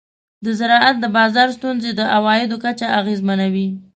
د زراعت د بازار ستونزې د عوایدو کچه اغېزمنوي.